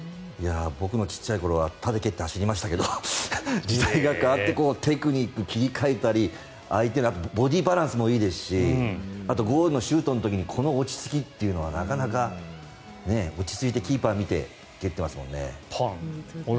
僕の小っちゃい頃はただ蹴って走りましたが時代が変わってテクニック、切り替えたりボディーバランスもいいですしあとゴールのシュートの時にこの落ち着きというのはなかなかね、落ち着いてキーパーを見て蹴ってますもんね。